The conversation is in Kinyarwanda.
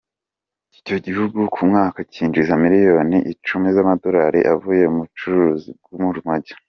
Icyo gihugu ku mwaka kinjiza miliyoni icumi z’amadolari avuye mu bucuruzi bw’urumogi.